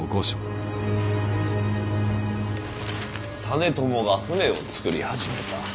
実朝が船をつくり始めた。